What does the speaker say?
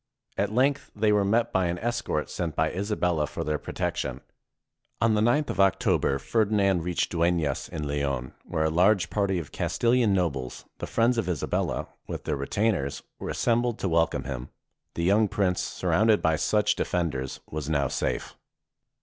At length they were met by an escort sent by Isabella for their protection. On the 9th of October, Ferdinand reached Duenas, in Leon, where a large party of Castilian nobles, the friends of Isabella, with their retainers, were assembled to wel come him. The young prince, surrounded by such de fenders, was now safe.